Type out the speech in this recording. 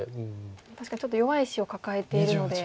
確かにちょっと弱い石を抱えているので。